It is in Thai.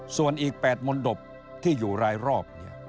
ส่วนอีก๘มนตบที่อยู่รายรอบ